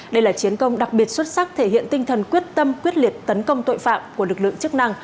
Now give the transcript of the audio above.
đây là chiến công đặc biệt xuất sắc thể hiện tinh thần quyết tâm quyết liệt tấn công tội phạm của lực lượng chức năng